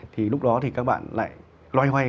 thì lúc đó thì các bạn lại loay hoay